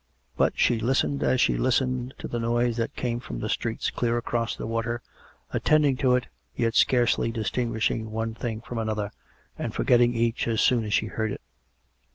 But she listened as she listened to the noise that came from the streets clear across the water, attending to it, yet scarcely distinguishing one thing from another, and forgetting each as soon as she heard it.